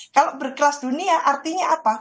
kalau berkelas dunia artinya apa